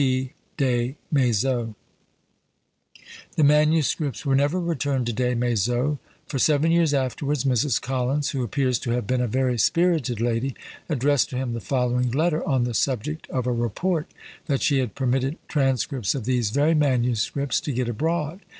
P. DES MAIZEAUX. The manuscripts were never returned to Des Maizeaux; for seven years afterwards Mrs. Collins, who appears to have been a very spirited lady, addressed to him the following letter on the subject of a report, that she had permitted transcripts of these very manuscripts to get abroad.